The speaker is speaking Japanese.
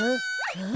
えっ？